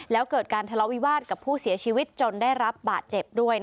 แล้วเกิดการทะเลาวิวาสกับผู้เสียชีวิตจนได้รับบาดเจ็บด้วย